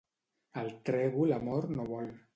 El trèvol amor no vol.